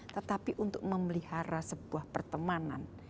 tetapi untuk memelihara sebuah pertemanan